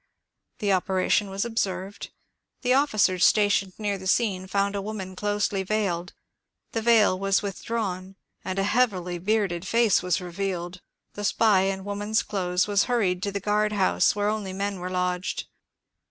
The operation was observed ; the officers stationed near the scene found a woman closely veiled ; the veil was withdrawn and a heavily bearded face revealed. The spy in woman's clothes was hurried to the guard house where only men were lodged.